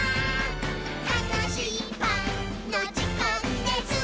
「たのしいパンのじかんです！」